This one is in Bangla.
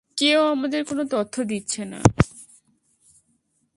কেউ আমাদের কোনো তথ্য দিচ্ছে না।